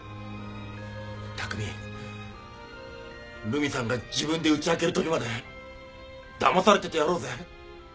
巧留美さんが自分で打ち明けるときまでだまされててやろうぜ。